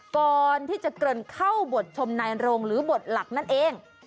ก่อนที่จะเกินเข้าบทชมนายโรงหรือบทหลักนั่นเอง